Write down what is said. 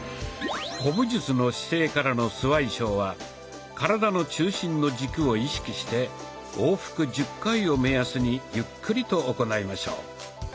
古武術の姿勢からのスワイショウは体の中心の軸を意識して往復１０回を目安にゆっくりと行いましょう。